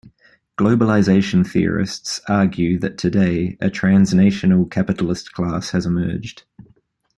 Globalization theorists argue that today a transnational capitalist class has emerged.